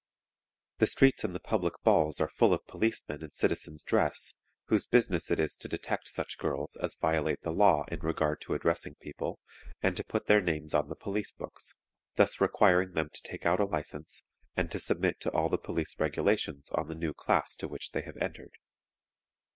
The streets and the public balls are full of policemen in citizen's dress, whose business it is to detect such girls as violate the law in regard to addressing people, and to put their names on the police books, thus requiring them to take out a license, and to submit to all the police regulations on the new class to which they have entered.